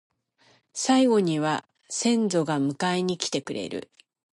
最期には先祖が迎えに来てくれる